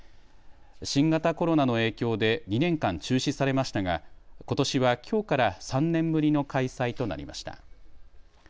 新型コロナの影響で２年間中止されましたが、ことしはきょうから３年ぶりの開催となりました。